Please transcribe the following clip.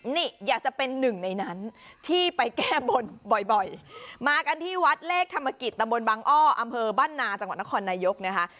นี่อยากจะเป็นหนึ่งในนั้นที่ไปแก้บนบ่อยมากันที่วัดเลขธรรมกิจตำบลบังอ้ออำเภอบ้านนาจังหวัดนครนายกนะคะ